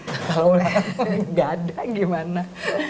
kalau gak ada gimana